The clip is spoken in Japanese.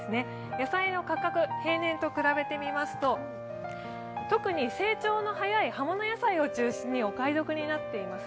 野菜の価格平年と比べてみますと、特に成長の早い葉物野菜を中心にお買い得になっています。